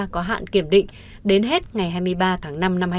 có hạn kiểm định đến hết ngày hai mươi ba tháng năm năm hai nghìn hai mươi